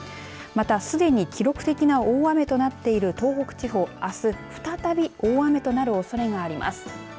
また、すでに記録的な大雨となっている東北地方あす再び大雨となるおそれがあります。